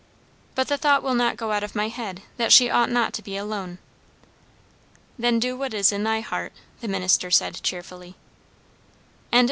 But the thought will not out of my head, that she ought not to be alone." "Then do what is in thine heart," the minister said cheerfully. CHAPTER XXXI.